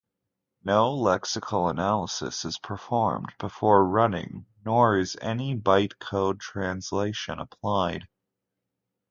No lexical analysis is performed before running, nor is any byte code translation applied.